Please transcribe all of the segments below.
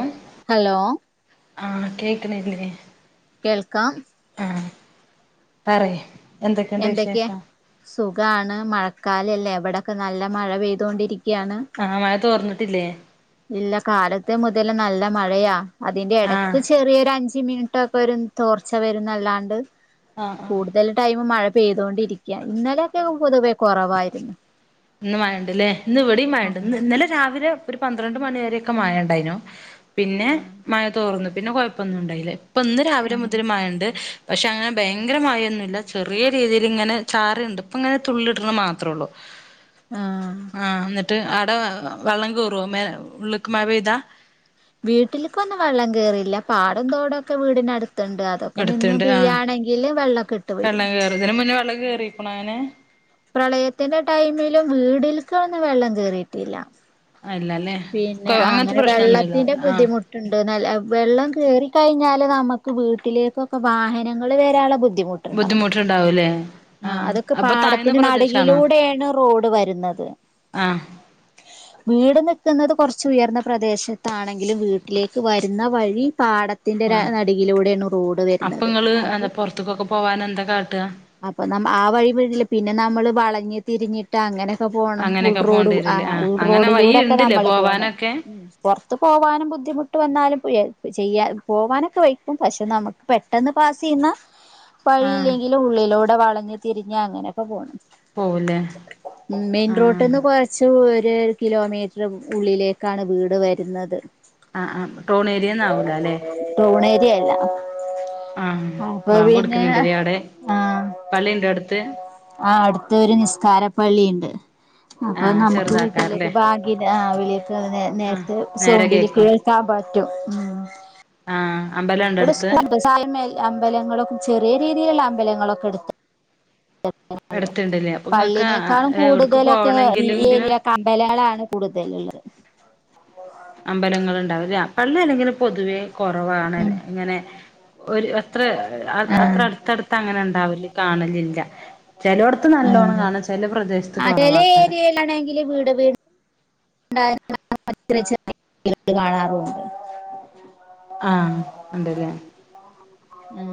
ഉം ഹലോ? ആഹ് കേക്ക്ണില്ലേ? കേൾക്കാം. അ പറയ്‌. എന്തൊക്കെ? സുഖാണ് മഴക്കാലല്ലേ, ഇ വടെക്കെ നല്ല മഴ പെയ്തൊണ്ടിരി ക്കാണ്. ആഹ് മഴ തോർന്നിട്ടില്ലേ ഇല്ല കാലത്തെ മുതല് ല് നല്ല മഴയാ ആഹ് അതിന്റെടക്ക് ചെറി യൊരു അഞ്ച് അഞ്ച് മിനിട്ടൊക്കെ ഒരു തോർച്ച വരുന്നല്ലാണ്ട്, ആഹ് ആഹ് കൂടുതൽ ടൈമും മഴ പെയ്തൊണ്ടിരി ഇന്നലക്കെ പൊതുവേ കുറവാര്ന്ന്. ന്ന് മയണ്ട്‌ല്ലേ? ന്ന് വിടീം മയണ്ട്, ഇന്നലെ രാവിലെ ഒരു പന്ത്ര പന്ത്രണ്ട് മണി വരൊക്കെ മയ ണ്ടായിനു. പിന്നെ മഴ തോർന്നു, പിന്നെ കൊയ പ്പൊന്നും ണ്ടായില പ്പ ന്ന് രാവിലെ ആഹ് മുതല് മയണ്ട് പഷെ അങ്ങനെ ഭയങ്കരമായൊന്നുല്ല, ചെറിയ രീതില് ങ്ങനെ ചാറ്ണ്ട് പ്പ പ്പ ങ്ങനെ തുള്ളിട്ണ് മാത്രേള്ളൂ ആഹ് ട്ട് ആടെ വെള്ളം കയറോ, ഉള്ള്ക്ക് മയ പൈത? വീട്ടില്ക്കൊന്നും വള്ളം കേറില്ല. പാടോ തോടൊക്കെ വീടിനടുത്ത് ത്ണ്ട് അതൊക്കെ നിന്ന് എടുത്തുണ്ട് പൈ ആഹ് യാണെങ്കില് വെള്ളൊക്കെട്ട് വരും. കള് കേറീക്ക്ണോ അങ്ങനെ? പ്രളയത്തിന്റെ ടൈമിലും വീടിൽക്കെന്നും വെള്ളം കേറീട്ടില്ല. ഇല്ലല്ലേ പിന്നെ ആഹ് അങ്ങനത്തെ അങ്ങനെ പ്രശ്നൊന്നുമില്ല വെള്ളത്തിന്റെ ആഹ് ബുദ്ധിമുട്ട്ണ്ട് ന്നല വെള്ളം കേറി കഴിഞ്ഞാല് നമക്ക് വീട്ടിലേക്കൊക്കെ വാഹനങ്ങൾ വരാള്ള ബുദ്ധി ബുദ്ധിമുട്ടുണ്ടാവും. ബുദ്ധിമുട്ടുണ്ടാവൂലേ ആ ആഹ് അതൊക്കെ അപ്പൊ താഴ്ന്ന പാടത്തിന്റെ പ്രദേശാണോ നടുകിലൂടെണ് റോഡ് വരുന്നത്. ആഹ് വീട് നിക്കുന്നത് കൊറച്ച് ഉയർന്ന പ്രദേശത്താണെങ്കിലും വീട്ടിലേക്ക് വരുന്ന വഴി. പാടത്തിന്റെ രു ആഹ് നടികിലൂടേണ് റോഡ് അപ്പൊ വരുന്നത് ഇങ്ങള് എന്താ അപ്പ പൊറത്ത്ക്കൊക്കെ പോവാൻ എന്താ കാട്ടാ അപ്പൊ നമ്മ ആ വഴി പിന്നെ നമ്മളെ വളഞ്ഞ് തിരിഞ്ഞിട്ടാങ്ങനെ ക്ക പോണം അങ്ങനെയൊക്കെ ഉൾറോഡ് പോണ്ടി ആ വരൂല്ലേ ആഹ് അങ്ങനെ വഴി ഉൾറോഡിലൂടൊക്കെ ഇണ്ട്ല്ലേ നമ്മള് പോണം. പോവാനൊക്കെ ത്ത് പോവാനും ബുദ്ധിമുട്ട് വന്നാലുംപയ്യ ചെയ്യ പോകാനൊക്കെ വൈക്കും, പശ്ശെ നമുക്ക് പെട്ടെന്ന് പാസുയ്യുന്ന ആഹ് വഴില്ലെങ്കിലും ഉള്ളിലൂടെ വളഞ്ഞ് തിരിഞ്ഞ് അങ്ങനെയൊക്കെ പോകും പോവുല്ലേ മ് മെയിൻ ആഹ് റോട്ടന്ന് കൊറച്ച് ഒരു കിലോ മീറ്റ ഉള്ളിലേക്കാണ് വീട് വരുന്നത്. ആഹ് ആഹ് ടൗൺ ഏരിയന്നാവൂലല്ലേ ടൗൺ ഏരിയല്ല. ആഹ് അപ്പൊ ബാങ്ക് പിന്നെ കൊടുക്കണുണ്ട്ല്ലേ അവിടെ ആഹ് പള്ളിണ്ടോ അടുത്ത് ആഹ് അടുത്തെരു നിസ്കാര പള്ളിണ്ട് അപ്പൊ ആഹ് നമുക്ക് വീട്ടിലക്ക ചെറുതാക്കാരല്ലേ ബാ ആഹ് വിളിയൊക്കെങ്ങനെ ആഹ് നേരത്തെ നേരെ സൗണ്ടില് കേക്കും കേൾക്കാൻ പറ്റും ഉം. ആഹ് അമ്പലണ്ടോ ഇവിടെ അടുത്ത് സ്കൂൾ വ്യവസായ അമ്പലങ്ങളൊക്ക ചെറിയ രീതിയിലുള്ള അമ്പലങ്ങളൊക്കെ എടുത്തു [unintelligible] അടുത്തുണ്ടല്ലേ അപ്പൊ നിങ്ങൾക്ക് പള്ളിനേക്കാളും എവിടക്ക് കൂടുതലൊക്കെ ഈ പോകണെങ്കിലെങ്കിലും ഏരിയ അമ്പലങ്ങളാണ് കൂടുതലുള്ളത്. അമ്പലങ്ങൾ ഉണ്ടാവും ല്ലെ, പള്ളിഅല്ലെങ്കിലും പൊതുവേ കൊറവാണ് ഉം ങ്ങനെ ഒരു അത്ര ആ അത്ര അടുത്തടുത്ത് ങ്ങനെ ണ്ടാവലില്ല കാണലില്ല ചെലോടെത്ത് ആ നല്ലോണ്ണം കാണ ചെല പ്രദേശത്ത് ആ ചില കുറവാക്കാരം. [unintelligible] കാണാറൂണ്ട്. ആഹ് ഉണ്ടല്ലേ ഉം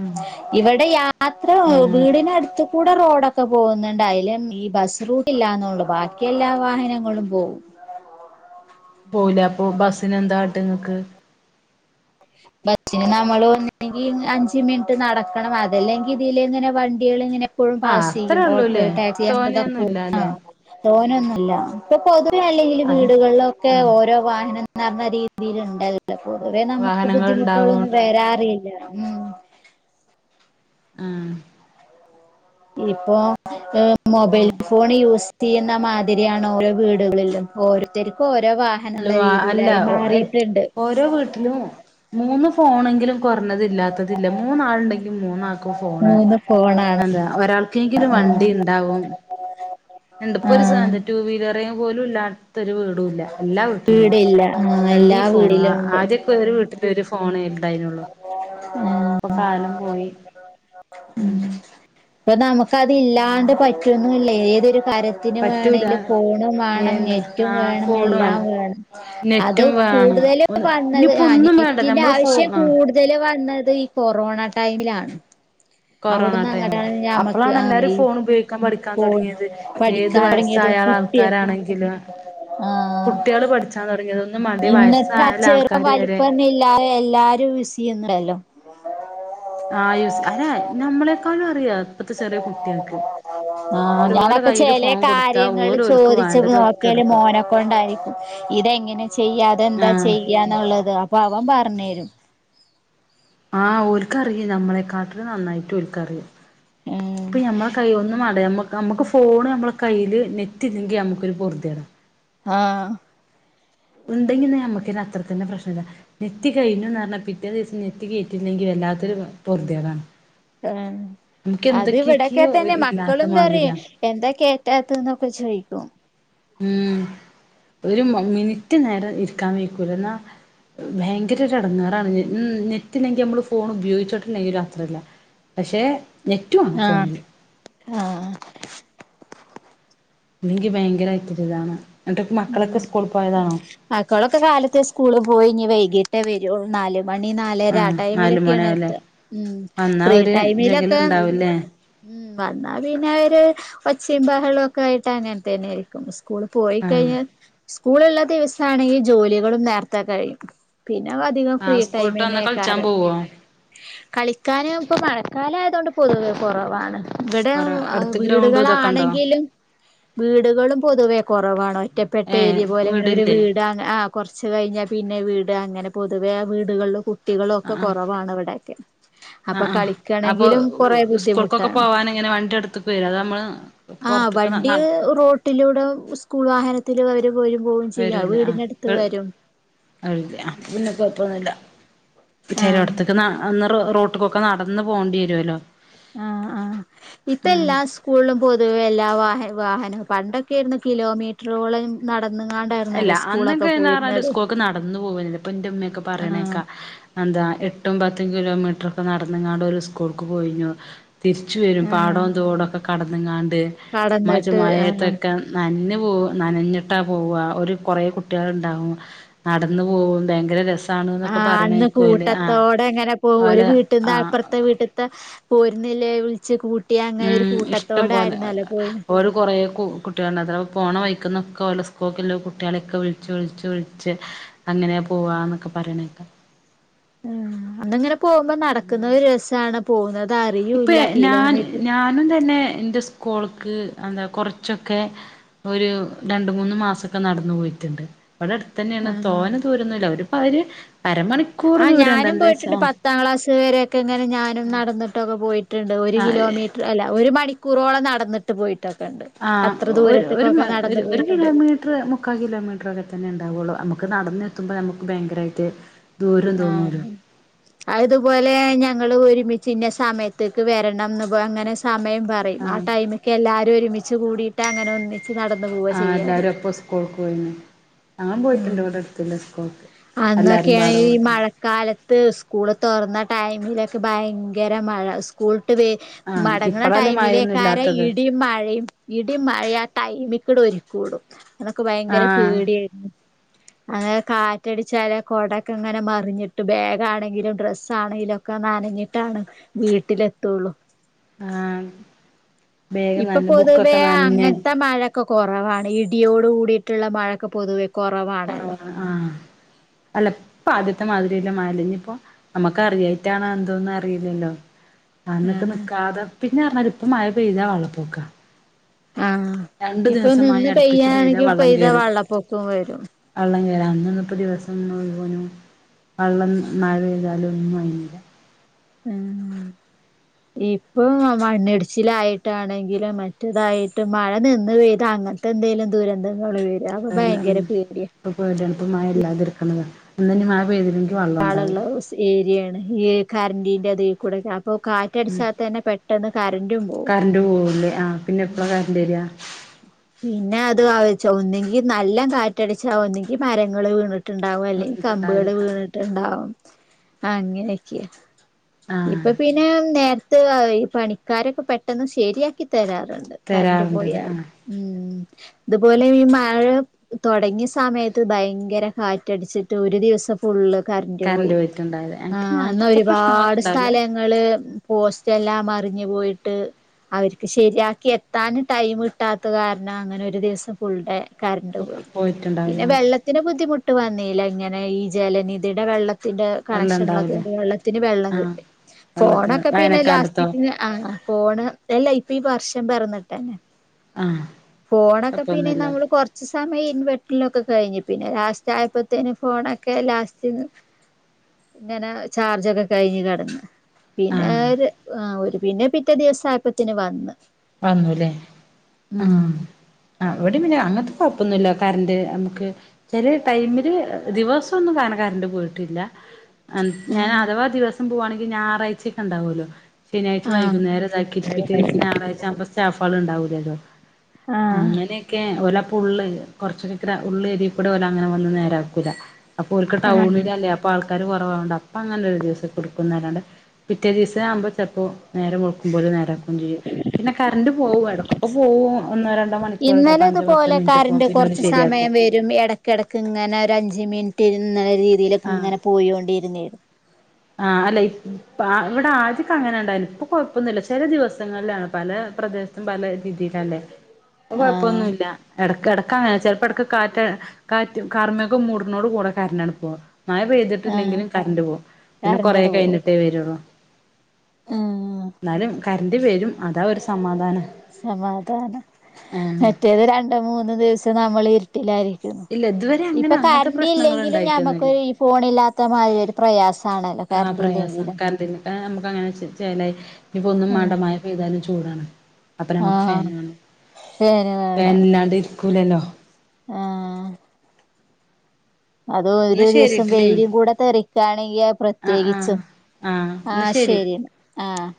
ഉം ഇവടെ യാത്ര അങ്ങനെ വീടിനടുത്ത്കൂ കൂടെ റോഡൊക്കെ പോകുന്നുണ്ട് അയിലേ ഈ ബസ്റൂട്ട്ല്ലാന്നൊള്ള് ബാക്കി എല്ലാ വാഹനങ്ങളും പോവും. പോയില്ലാ അപ്പൊ ബസ്സിന് എന്താട്ടാങ്ങക്ക് ബസ്സിന് നമ്മള് ഒന്നില്ലെങ്കി അഞ്ച്മിൻറ്റ് നടക്കണം അതല്ലെങ്കി ഇതിലേങ്ങനെ വണ്ടികൾ ഇങ്ങനെ എ പ്പഴും ആഹ് പാസ്സെയ്യും അത്രേ ഓട്ടോ ഉള്ളൂല്ലേ ടാക്സി അങ്ങനതൊക്കെയില് പോകും തോനെയൊന്നുല്ല അല്ലേ ആഹ് തോനൊന്നുല്ല ഇപ്പൊ പൊതുവെ അല്ലെങ്കില് വീടുകളിലൊക്കെ ആഹ് ഓരോ വാഹന ന്നർഞ്ഞ രീ രീതില്ണ്ടല്ലോ പൊതുവേ നമുക്ക് വാഹനങ്ങൾ ബുദ്ധിമുട്ടുകളൊന്നും ഉണ്ടാവോണ്ട് വരാറില്ലലോ ഉം. ആഹ് ഇപ്പൊ ഏഹ് മൊബൈൽ അങ്ങനെ ഫോൺ യൂസ് ചെയ്യുന്ന മാതിരിയാണ് ഓരോ വീടുകളിലും ഓരോത്തര്ക്ക് ഓരോ അല്ല വാഹനമുള്ള വാ അല്ല രീതിയിലായി മാറിയിട്ടുണ്ട് ഓരോ വീട്ടിലും മൂന്ന് ഫോണെങ്കിലും കൊർഞ്ഞതില്ലാത്തതില്ല മൂന്നാളുണ്ടെങ്കിൽ മൂന്നാൾക്കും ഫോണ് മൂന്ന് ഫോണാണ് അതാ ഒരാൾക്കെങ്കിലും വണ്ടി ഇണ്ടാവും ഇണ്ട് ഇപ്പൊ ഒരു ആഹ് സാതാ ടൂവീലറ് പോലുല്ലാത്തൊരു വീടൂല്ല എല്ലാ വീട്ടിലുണ്ട് വീടില്ല ആഹ് എല്ലാ വണ്ടീം ഫോണും വീടിലും ഉണ്ട് ആദ്യൊക്കെരു വീട്ടില് ഒരു ഫോണായിരുന്നു ണ്ടായിനുള്ളു ഇപ്പൊ കാലം പോയി ഉം പ്പതില്ലാണ്ട് പറ്റുന്നുല്ലേയ് ഏതൊരു കര്യത്തിന് പറ്റൂല വേണെങ്കില് ഫോണും വേണം എന്ത് ആ നെറ്റുംവേണം ഫോണ് എല്ലാം വേണം അത് നെറ്റും വേണം കൂടുതല് വന്നത് ഇനിയിപ്പോ ആഹ് ഒന്നും വേണ്ട നെറ്റിന്റെ നമ്മള് ഫോ ആവശ്യം ആ കൂടുതല് വന്നത് ഈ കൊറോണ ടൈമിലാണ് കൊറോണ അവിടുന്ന് ടൈമില് അങ്ങട്ടാണ് ഞമ്മക്ക് ആ അപ്പളാണെല്ലാരും ഈ ഫോൺ ഉപയോഗിക്കാൻ പഠിക്കാൻ പോ തുടങ്ങിയത് ഏത് പഠിക്കാൻ തുടങ്ങിയതും വയസായ കുട്ടിയ യാൾക്കാരാണെങ്കിലും ആഹ് കുട്ടികള് പഠിച്ചാൻ തുടങ്ങിയത് ഒന്നും വേണ്ട ഇന്നത്തെ അ വയസ്സായാല ചെറുപ്പം ആൾക്കാര് വരെ വലിപ്പംന്നില്ലാതെ എല്ലാരും യൂസെയ്യുന്നല്ലോ [inaudible] ആ യൂസ് അയന്നെ നമ്മളെക്കാളറിയാ ആഹ് ഓല് ഓലെ ഞാനൊക്കെ കയ്യില് ചെലെ ഫോൺ കൊടുത്താ കാര്യങ്ങള് ഓല് ഓൽക്ക് വേണ്ടത് ഒക്കെ ചോദിച്ചപ്പിതോക്കെയല്ലേ ന്റെ എടുക്കും മോനെക്കൊണ്ടായിരിക്കും ഇതെങ്ങനെ ചെയ്യാ ആ അതെന്താ ചെയ്യാന്നുള്ളത് അപ്പൊ അവൻ പറഞ്ഞ്തരും ആഹ് ഓൽക്കറിയ നമ്മളെക്കാട്ടില് നന്നായിട്ട് ഓൽക്കറിയാം ഉം ഇപ്പൊ ഞമ്മള് കൈയൊന്നും മാണ്ട നമ്മക്ക് നമുക്ക് ഫോണ് നമ്മളെ കയ്യില് നെറ്റില്ലെങ്കി നമുക്കൊരു പൊറുതിയാണ് ആ ഇണ്ടെങ്കിൽ നമ്മുക്കെന്നത്രക്കെന്നെ പ്രശ്നില്ല നെറ്റ് കഴിഞ്ഞുന്നറഞ്ഞാ പിറ്റേദിവസം നെറ്റ് കേറ്റില്ലെങ്കിൽ വ ല്ലാത്തൊരു പൊറുതികളാണ് ആ അത് ഇവിടൊക്കെ ഒരു തന്നെ ഇല്ലാത്ത മക്കളും പറയും മാതിരിയാ എന്താ കേറ്റാത്തത്ന്നൊക്കെ ചോയിക്കും ഉം ഒരു മിനിറ്റ്നേരം ഇരിക്കാൻ വയ്ക്കൂല എന്നാ ഭയങ്കരൊരെടങ്ങേറാണ്ന് ഉം നെറ്റില്ലെങ്കിൽ നമ്മള് ഫോൺ ഉപയോഗിച്ചിട്ടുണ്ടെങ്കിലും അത്രല്ല പക്ഷെ നെറ്റുവേണം ആഹ് ഫോണില് ആഹ് ഇല്ലെങ്കി ഭയങ്കരായിട്ടൊരിതാണ് ഉം മക്കളൊക്കെ കാലത്ത് സ്കൂളിപ്പോയി ഇനി വൈകീട്ടേ വരുള്ളൂ നാലു മണി നാലര ആ ആഹ് നാല് മണിയാവുല്ലേ ടൈമിലൊക്കെയാണെത്താ ഉം വന്നാ ഒരു ഫ്രീടൈമിലൊക്കെ ജകലുണ്ടാവുല്ലേ ഉം വന്നാ പിന്നോര് ഒ ച്ചേംബാഹളോക്കായിട്ട് അങ്ങനെ തന്നെയായിരിക്കും സ്കൂള് ആഹ് പോയിക്കഴിഞ്ഞാൽ സ്കൂളുള്ള ദിവസാണെങ്കി ജോലികളും നേർത്തെ കഴിയും പിന്നെ അധികം ഫ്രീ ആഹ് സ്കൂൾട്ട് വന്നാ കളിച്ചാൻ ടൈമെന്നെയാക്കാറ് പോവോ കളിക്കാനും ഇപ്പൊ മഴക്കാലായത്കൊണ്ട് പൊതുവെ കുറവാണ് ഇവിടെ കൊറ അടുത്ത് ഗ്രൗണ്ടും ഇതൊക്കെ ഉണ്ടോ വീടുകളാണെങ്കിലും വീടുകളും പൊതുവെ കുറവാണ് ഒറ്റപ്പെട്ട ഏഹ് ഏരിയ പോലെങ്ങനൊരു വീടില്ലേ വീട് ആ കൊറച്ച് കഴിഞ്ഞ പി ന്നെ വീട് അങ്ങനെ പൊതുവെ വീടുകളും കുട്ടികളൊക്കെ കുറവാണ് ഇവിടൊക്കെ ആ ആ അപ്പൊ സ്കൂൾക്കൊക്കെ ബുദ്ധിമുട്ടാണ് പോവാന് ഇങ്ങനെ വണ്ടി അടുത്ത്ക്ക് വരോ അതോ നമ്മള് ആ പൊറത്ത്ക്ക് ന വണ്ടി ന റോട്ടിലൂടെ സ്കൂൾ വാഹനത്തില്വര് വരും പോവും ചെയ്യ ആഹ് വീടിനടുത്ത് വരും വരൂലേ ആഹ് അപ്പൊ പിന്നെ കൊഴപ്പൊന്നുല്ല ആഹ് ചെലോട്ത്ത്ക്ക് ന ന്ന് റ് റോട്ട്ക്കൊക്കെ നടന്ന് പോണ്ട്യേരോലാേ ആഹ് ആഹ് ഇപ്പ എല്ലാ സ്കൂളും പൊ ത്‌വേ എല്ലാ വാഹ വാഹനം പണ്ടൊക്കേയ്ര്ന്ന് കിലോമീറ്റ്റോളം എല്ല അന്നൊക്കെന്ന്റാല് പോയിരുന്നത് സ്കൂക്ക് നടന്ന് പോവെല ഇപ്പ ൻ്റെ ഉമ്മയൊക്കെ ആഹ് പറയ്ണേക്കാ എന്ത ആഹ് എട്ടും പ പത്ത് കിലോമീറ്റ്റൊക്കെ നടന്ന്ങ്ങാണ്ട് ഓല് സ്കൂൾക്ക് പോയ്ന്യോ തിരിച്ച് വരും ആഹ് പാടോം തോടൊക്കെ കടന്ന്ങ്ങാണ്ട് മ്മച്ചും കടന്നിട്ട് ആഹ് മയേത്തൊക്കെ നൻഞ്ഞ് പോ നനഞ്ഞ്ട്ടാ പൊവ്വ ഒരു കൊറേകുട്ടോൾ ഇണ്ടാവും നടന്ന് പോവും ഭേങ്കര രസ ആഹ് അന്ന് കൂട്ടത്തോടെ ങ്ങനെ പോ ഒരു ഓലെ വീട്ട്ന്ന് ആഹ് അപ്പറത്തെ വീട്ട്ത്തെ- പോര്ന്ന്ല്ലേ വിൾച്ച് കൂ ഉം ഇഷ്ടം പോലെ പോയിന് ഓല് കൊറേ കു കുട്ട്യേള്ണ്ട് അതാവ് പോണ വയ്ക്ക്ന്ന് ഓലേ സ്കൂൾക്ക് ഇള്ള കുട്ട്യളൊക്കെ വിളിച്ചച്ച് വിളിച്ച് വിളിച്ച് അങ്ങനെ പോവാന്നൊക്കെ പറിണേക്ക ആ അന്നങ്ങനെ പോബ നടക്ക്ന്ന രസാണ് പോകുന്നത് ഇപ്പ അറിയൂല്ല ഞാൻ കിലോമീറ്റർ ഞാനും തന്നെ എൻ്റെ സ്കൂൾക്ക് എന്താ കൊറച്ചൊക്കെ ഒരു രണ്ട് മൂന്ന് മാസക്കെ നടന്നു പോയി ണ്ട് ഇവടെ അട്ത്ത് തന്നെണ് ആഹ് തോന ദൂരൊന്നുല്ല ഒര് പര് ആ ഞാനും പോയ്ട്ട്ണ്ട് പത്താം ക്ലാസ് വരെക്കെ ഇങ്ങനെ ഞാനും നടന്ന് ഒക്കെ പോയ്ട്ട്ണ്ട് ഒരു ആ കിലോമീട്ട്ർ അല്ല ഒരു മണിക്കൂറോളം നടന്ന്ട്ട് പോയിട്ടൊ ആ ഹ് ഒരു ഒരു മ ഒരു ഒരു പോയിട്ടുണ്ട് കിലോമീട്ട്ർ മുക്കാ കിലോ മീട്ട്ർ ഒക്കെ തന്നെ ഇണ്ടാവൊള്ളൂ നമു ക്ക് നടന്നെത്തുമ്പം ഞമ്മക്ക് ഭയങ്കരായിട്ട് ആഹ് അഇത് പോലേഞങ്ങള് ഒരുമി ജ്ജ് ഇന്ന സമയത്ത്ക്ക് വെരെണംന്ന് ബ് അങ്ങനെ സമയം പറിം ആ ആഹ് ടൈമ്ക്ക് എല്ലാരും ഒര്മി കൂടീട്ട് അങ്ങനെ ഒന്നി ആഹ് എല്ലാരും അപ്പൊ സ്കൂൾക്ക് പോയിന്ന് ഞാൻ പോയിട്ട്ണ്ട് ഉം ഇവടെ എട്ത്ത്ള്ള സ്കൂൾ - - അന്നൊക്കെയാണെങ്കി ഈ മഴക്കാലത്ത് സ്കൂൾ തൊറന്ന ടൈമിലൊക്കെ ഭയങ്കര മഴ സ്കൂൾ ദേ ആഹ് മടങ്ങ്ന്ന ഇപ്പളല്ലേ മഴയൊന്നും ടൈമിലേക്കാര ഇല്ലാത്തത് ഇടിം മഴയും ഇടിം മഴ ആ ടൈമിക് ട് ഒര്ക്കൂടും അതൊക്കെ ഭയങ്കര ആഹ് പേട്യേനി അങ്ങനെ കാ റ്റടിച്ചാല് കൊടക്കെങ്ങനെ മറിഞ്ഞിട്ട് ബേഗാണെങ്കിലും ഡ്രസ്സാണേലാെക്കെ നനഞ്ഞിട്ടാണ് വീട്ടിലെത്തുള്ളൂ ആ ഹ് ഇപ്പൊ പൊതുവേ അങ്ങൻത്ത മഴ കൊറവാണ് ഇടിയോട് കൂടിട്ടുള്ള മഴക്കെ പൊതുവെ കുറവ് കുറവാണല്ലോ ആഹ് ആ അല്ല ഇപ്പ ആദ്യത്തെ മാതിരില്ല മഴല്ലാ ഇഞ്ഞിപോ, നമ്മുക്ക് അറിയായിട്ടാണോ എന്തോന്നും അറിയില്ലല്ലോ? അന്നൊക്കെ ആഹ് നിക്കാതെ, പിന്നെറ ഞാൽല് ഇപ്പ മഴ പെയ്താ വള്ളപ്പൊക്കാ ആഹ് രണ്ടു ഇപ്പൊ ദിവസം നിന്ന് മയ അടുപ്പിച്ച് പെയ്ത പെയ്യാണെങ്കി വള്ളം പെയ്താ കേറി വെള്ളപ്പൊക്കം വരും വള്ളം കേറി അല്ലാ അന്നുതൊട്ട് ദിവസം ഒന്നും വള്ളം മഴ പെയ്താലും ഒന്നും നനയില്ല. ഉും ഇപ്പൊ മണ്ണിടിച്ചിലായിട്ടാണെങ്കിലും, മറ്റേതായിട്ട്, മഴ നിന്ന് പെയ്ത അങ്ങട്ട് ന്തെലും ദുരംണ്ട് അല്ലാ ൻ പപ്പേടിയാണ്. ഇപ്പൊ മഴ ല്ലാതിരിക്ക്ണത, ഇന്നുഞിമഴപെയ്തി ആളുള്ള ഉസ്‌ ഏരിയാണ്. ഈ കറന്റിന്റെ തിൽകൂടെക്കെ അപ്പൊ ഉം കാറ്റടിച്ച തന്നെ പെട്ട് കറന്റ് പോവൂല്ലേ? ആഹ പിന്നെ എപ്പളാ കറൻ്റ് രാ? പിന്നെ അത് അവിച്ച് ഒന്നുങ്കി നല്ല കാറ്റടിച്ചാ ഒന്നിങ്കിൽ മരങ്ങൾ വീണിട്ട് ട്ട്ണ്ടാവും അല്ലെൽ കമ്പുകൾ ണ്ടാവല് ആ വീണിട്ടുണ്ടാവും അങ്ങനെയൊക്കെയ ആ ഇപ്പൊ പിന്നെ നേര്ത്ത് ആഹാ ഈ പണിക്കാരൊക്കെ പെട്ടെന്ന് ശരിയാക്കി തരാറുണ്ട്. [unintelligible] കറണ്ട് തരാറുണ്ടത് പോയാലും ആഹ് ഉും ഇതുപോലെ ഈ മഴ തുടങ്ങിയ സമയത്ത് ഭയങ്കര കാറ്റടിച്ചിട്ട് ഒരു ദിവസം ഫുള്ള് കർന്റ് കറണ്ട് പോയി. പോയിട്ടുണ്ടാവില്ല ആ എനിക്ക് അന്ന് അങ്ങനത്തെ പ്രശ്നങ്ങളൊന്നും ഒരുപാട് ഉണ്ടാവില്ല സ്ഥലങ്ങള് പോസറ്റെല്ലാം മറിഞ്ഞ് പോയി ട്ട് അവർക്ക് ശരിയാക്കി എത്താന് ടൈമിട്ടാത്ത കാരണം അങ്ങനെ ഒരു ദിവസം ഫുൾ ഡേ കർണ്ട് പോയി പോയിട്ടുണ്ടാവില്ല പിന്നെ വെള്ളത്തിന് ബുദ്ധിമുട്ട് വന്നീല്ല ഇങ്ങനെ ഈ ജലനിധിയുടെ വെള്ള ത്തിന്റെ വെള്ളം ഉണ്ടാവില്ല കണക്ഷനുള്ളതോണ്ട് വെള്ളത്തിന് വെള്ളം ആഹ് കിട്ടി വെള്ളത്തിന് ഫോണൊക്കെ പിന്നെ വേനക്കാലത്തോ ലാസ്റ്റ്ക്ക് ആ ഫോണ് അല്ല ഇപ്പൊ ഈ വർഷം പെറന്നിട്ടന്നെ. ആഹ് ഫോണൊക്കെ പിന്നെ കുഴപ്പൊന്നുമില്ല നമ്മള് കൊറച്ച് സമയം ഇൻവെർട്ടിലൊക്കെ കഴിഞ്ഞി പിന്നെ ലാസ്റ്റ് ആയപ്പോത്തേന് ഫോണൊക്കെ ലാസ്റ്റ് റ്റ് ഇങ്ങനെ ചാർജൊക്കെ കഴിഞ്ഞ് കടന്ന്. ആഹ് പിന്നോര് ആ ഒരു പിന്നെ പിറ്റേ ദിവസായപ്പത്തിന് വന്ന്. വന്നുല്ലേ ആ ഉം ആവ് അങ്ങൻത്തെ കൊഴപ്പൊന്നുല്ല കറണ്ട് നമുക്ക് ചെല ടൈമില് ദിവസൊന്നും കാണ കറൻ്റ് പോയിട്ടില്ല ഞാൻ ആഹ് അഥവാ ദിവസം പോവാണെങ്കി ഞായറാഴ്ചൊക്കെ ണ്ടാവോലോ ശനിയാഴ്ച്ച വൈകുന്നേര താക്കിട്ട് പിറ്റെ ദീസം ഞറാഴ്ച അപ്പ സ്റ്റാഫാള് ഉണ്ടാവൂലല്ലോ ആഹ് അങ്ങനെയൊക്കെ ഓല ഉള് കൊറച് നിക്ക്ണ ഉള്ള് ഏരീകൂടെ ഓലഅങ്ങനെ വന്നു നേരാക്കൂല. അപ്പൊ ഓല്ക്ക് ആഹ് ടൗണിലല്ലേ അപ്പ ആൾ ആക്കാര് കുറവാവോണ്ട് അപ്പോ അങ്ങനെ ഒരു ദിവസൊക്കെടുക്കുന്നല്ലാണ്ട് പിറ്റേ ദീസാവുമ്പോൾ ചെലപ്പോ നേരം വെൾക്കുമ്പോല് നേരാക്കും. ൻ്റ് പിന്നെ കറണ്ട് പോകും എടക്കൊക്കെ പോകും ഒന്നോ രണ്ടോ മണിക്കൂറൊക്കെ ഇന്നലെ അഞ്ചോ പത്തോ ഇതുപോലെ മിനിറ്റൊക്കെ കറണ്ട് പിന്നെ ഓര് കൊറച്ച് ശരിയാക്കും. സമയം വരും എടക്കടക്ക് ഇങ്ങനെ ഒരു അഞ്ച് മിൻ റ്റ് ന്നരീതിയിലൊക്ക ആഹ് ങ്ങനെ പോയോണ്ടിരുന്നീന്. ആഹ് അല്ല ഇ പ ഇവിടെ ആദ്യക്കെങ്ങനെ ഇണ്ടായിന് ഇപ്പൊ കൊഴപ്പൊന്നുല്ല ചെല ദിവസങ്ങളിലാണ് പല പ്രദേശത്തും പല രീതിയിലല്ലേ അ ആഹ് കൊഴപ്പൊന്നുല്ല എടക്കട പ്പങ്ങനെ ചെലപ്പടക്ക് കാറ്റ് കാറ്റ് കാർമേഘം മൂടുന്നോടെ കൂടെ കറൻ്റാണ് പോണ്. മയ ആഹ് പെയ്തിട്ടില്ലെങ്കിലും കറണ്ട് പോകും പിന്നെ കൊറെ കറണ്ടട് പോവും കഴിഞ്ഞിട്ടേ വരുള്ളൂ. ന്നാലും കറൻ്റ് വരും അതാ ഒരു സമാധാനം. സമാധാനം. ആഹ് മറ്റേത് രണ്ടു മൂന്ന് ദിവസം നമ്മൾ ഇരുട്ടില്ലാര് ഉം ഇല്ല ഇതുവരെ ഇപ്പൊ അങ്ങനെ അങ്ങനത്തെ പ്രശ്നങ്ങൾ കറൻ്റില്ലെങ്കിലും ഞമ്മക്ക് ഉണ്ടായിട്ടൊന്നുമില്ല ഈ ഫോണില്ലാത്തമാതിരി ഒരു പ്രയാസ. ആഹ് പ്രയാസാണ് കറൻ്റിൽ ആ മ്മക്ക് പ്പ അങ്ങന ചേലായി ഇഞ്ഞ്പ്പോ ഒന്നും മാണ്ട മയ പെയ്താലും ചൂടാണ് അപ്പൊ നമുക്ക് ആഹ് ഫാനും വാണം ഫേന് വേണം ഫേനില്ലാണ്ടിരിക്കൂലല്ലോ. അതോ ഒരു ദിവ്സം ശരിട്ടില്ലേ വെയിലും കൂടെ തൊരക്കാണെങ്കി ആഹ് പ്രത്യേകിച്ചും. ആഹ് ആഹ് ശരി ന്ന ആഹ്